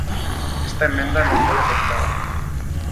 Esta emenda non foi aceptada.